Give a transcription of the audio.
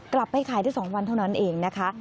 กลับไปขายได้๒วันเท่านั้นเองนะคะ